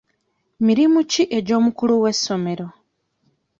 Mirimu ki egy'omukulu w'essomero?